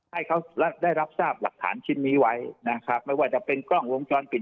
ให้เขาและได้รับทราบหลักฐานชิ้นนี้ไว้นะครับไม่ว่าจะเป็นกล้องวงจรปิด